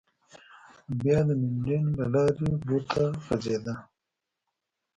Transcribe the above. بیا د منډلنډ له لارې بو ته غځېده.